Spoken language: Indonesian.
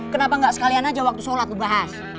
kenapa ga sekalian aja waktu sholat lu bahas